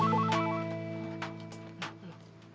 bu sebentar ya